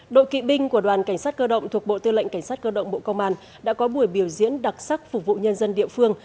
đội kỵ binh của đoàn cảnh sát cơ động thuộc bộ tư lệnh cảnh sát cơ động bộ công an đã có buổi biểu diễn đặc sắc phục vụ nhân dân địa phương